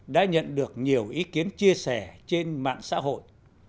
đã nhận được nhiều ý kiến chia sẻ trên mạng xã hội